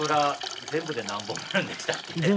全部で何本あるんでしたっけ？